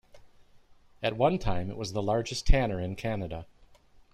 At one time, it was the largest tanner in Canada.